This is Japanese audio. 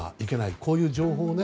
こういう情報をね